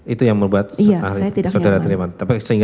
itu yang membuat saudara terima